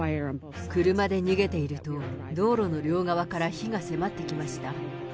車で逃げていると、道路の両側から火が迫ってきました。